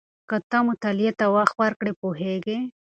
که ته مطالعې ته وخت ورکړې پوهېږې.